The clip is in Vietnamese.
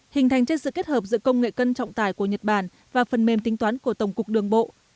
hình thành trên sự kết hợp giữa công nghệ cân trọng tải của nhật bản và phần mềm tính toán của tổng cục đường bộ